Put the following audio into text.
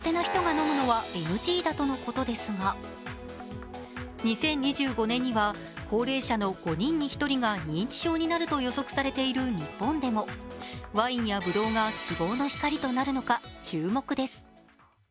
もちろん飲み過ぎやお酒が苦手な人が飲むのはＮＧだとのことですが２０２５年には高齢者の５人に１人が認知症になると予測されている日本でもワインやぶどうが希望の光となるのか注目です。